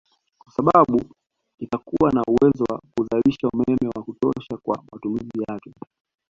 Kwa sababu itakuwa na uwezo wa kuzalisha umeme wa kutosha kwa matumizi yake